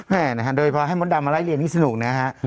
มาได้อย่างนั้นค่ะโดยพอม็อตดัมมาล้ายเรียนนี่สนุกนะฮะ